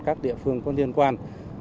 các địa phương có liên quan